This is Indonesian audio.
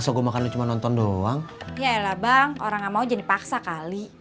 sampai jumpa di video selanjutnya